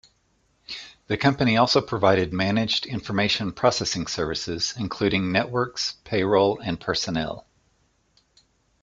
The Company also provided managed information processing services, including networks, payroll and personnel.